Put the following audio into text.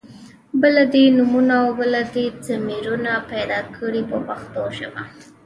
بله دې نومونه او بله دې ضمیرونه پیدا کړي په پښتو ژبه.